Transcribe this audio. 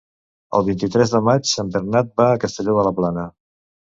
El vint-i-tres de maig en Bernat va a Castelló de la Plana.